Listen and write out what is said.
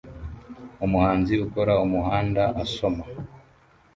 Umuhanzi ukora umuhanda asoma